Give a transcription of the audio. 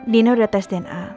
dina udah tes dna